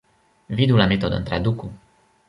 Vidu la metodon traduku.